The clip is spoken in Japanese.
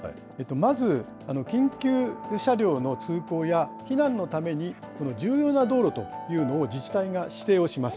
まず緊急車両の通行や、避難のために重要な道路というのを自治体が指定をします。